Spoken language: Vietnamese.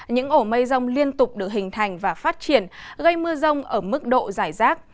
những ổ mây rông liên tục được hình thành và phát triển gây mưa rông ở mức độ giải rác